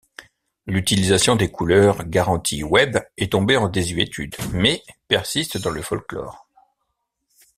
L'utilisation des couleurs garanties web est tombé en désuétude, mais persiste dans le folklore.